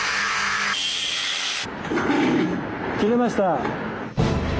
切れました。